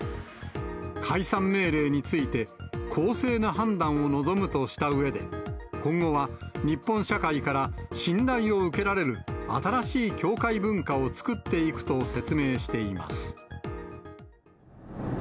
解散命令について、公正な判断を望むとしたうえで、今後は日本社会から信頼を受けられる新しい教会文化を作っていくと説明しています。